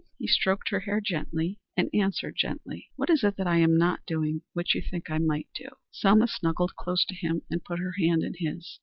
He stroked her hair and answered gently, "What is it that I am not doing which you think I might do?" Selma snuggled close to him, and put her hand in his.